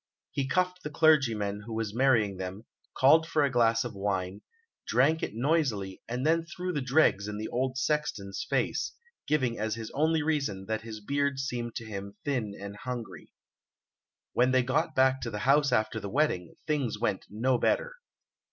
He cuffed the clergyman who was marrying them, called for a glass of wine, drank it noisily, and then threw the dregs in the old sexton's face, giving as his only reason that his beard seemed to him thin and hungry. When they got back to the house after the wedding, things went no better.